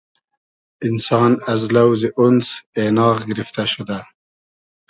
اینسان از لۆزی (اونس) اېناغ گیرفتۂ شودۂ